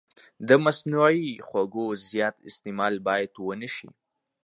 د مصنوعي خوږو زیات استعمال باید ونه شي.